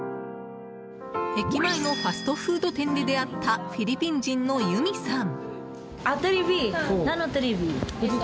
駅前のファストフード店で出会ったフィリピン人のユミさん。